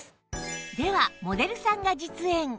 ではモデルさんが実演